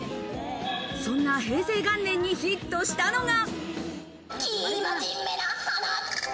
そんな平成元年にヒットしたのが。